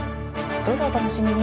どうぞお楽しみに！